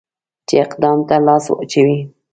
چې اقدام ته لاس واچوي.